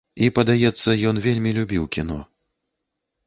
І падаецца, ён вельмі любіў кіно.